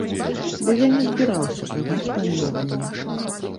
Бо я не збіраўся прымаць памілаванне.